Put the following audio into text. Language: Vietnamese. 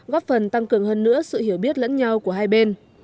góp phần tăng cường hơn nữa sự hiểu biết lẫn nhau của hai bên